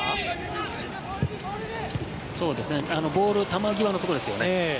球際のところですよね。